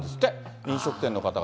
飲食店の方々。